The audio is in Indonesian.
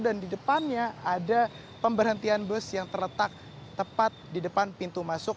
dan di depannya ada pemberhentian bus yang terletak tepat di depan pintu masuk